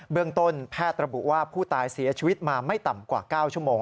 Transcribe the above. เรื่องต้นแพทย์ระบุว่าผู้ตายเสียชีวิตมาไม่ต่ำกว่า๙ชั่วโมง